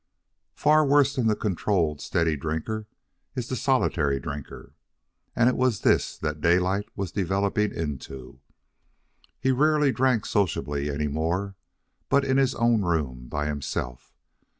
Far worse than the controlled, steady drinker is the solitary drinker, and it was this that Daylight was developing into. He rarely drank sociably any more, but in his own room, by himself.